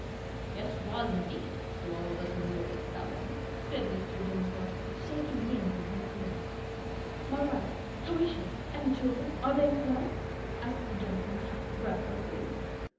"Yes, it was, indeed, to all of us who knew of its coming," said Mr. Dinsmore, shaking hands in his turn. "My wife! how is she? and the children? are they all well?" asked the gentleman half breathlessly.